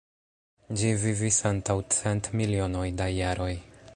Ĝi vivis antaŭ cent milionoj da jaroj.